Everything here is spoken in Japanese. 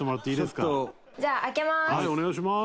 じゃあ開けます。